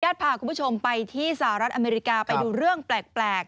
พาคุณผู้ชมไปที่สหรัฐอเมริกาไปดูเรื่องแปลก